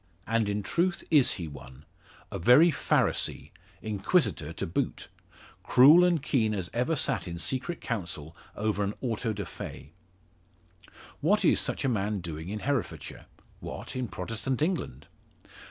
And in truth is he one; a very Pharisee Inquisitor to boot, cruel and keen as ever sate in secret Council over an Auto da Fe. What is such a man doing in Herefordshire? What, in Protestant England?